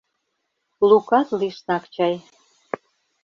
Лукат лишнак чай...